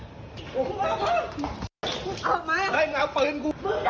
จังหวะตรงนี้เนี่ยหลังจากเกิดเหตุการณ์ยิงไปแล้วเนี่ย